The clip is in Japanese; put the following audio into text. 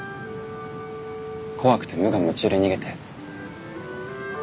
怖くて無我夢中で逃げて。